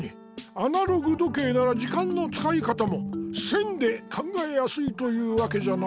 アナログ時計なら時間のつかいかたも線で考えやすいというわけじゃな。